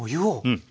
うん。